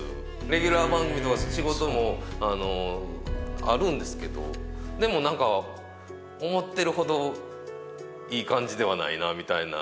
レギュラー番組の仕事もあるんですけどでも何か思ってるほどいい感じではないなぁみたいな。